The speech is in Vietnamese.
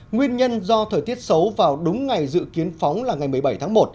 nguyên nhân do thời tiết xấu vào đúng ngày dự kiến phóng là ngày một mươi bảy tháng một